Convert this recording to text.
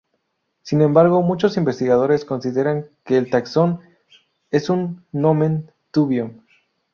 Sin embargo, muchos investigadores consideran que el taxón es un nomen dubium.